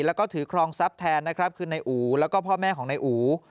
แล้วก็ถือครองทรัพย์แทนนะครับคือนายอู๋แล้วก็พ่อแม่ของนายอู